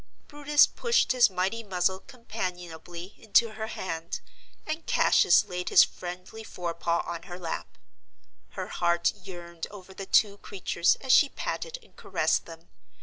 Brutus pushed his mighty muzzle companionably into her hand; and Cassius laid his friendly fore paw on her lap. Her heart yearned over the two creatures as she patted and caressed them.